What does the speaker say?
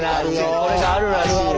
これがあるらしいね。